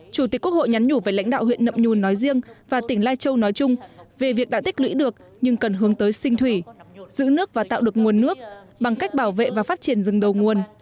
chủ tịch quốc hội nhắn nhủ với lãnh đạo huyện nậm nhùn nói riêng và tỉnh lai châu nói chung về việc đã tích lũy được nhưng cần hướng tới sinh thủy giữ nước và tạo được nguồn nước bằng cách bảo vệ và phát triển rừng đầu nguồn